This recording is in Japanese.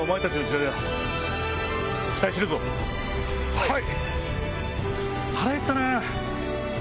はい！